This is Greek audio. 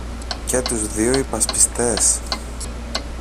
και τους δυο υπασπιστές